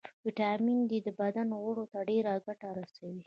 ويټامین ډي د بدن غړو ته ډېره ګټه رسوي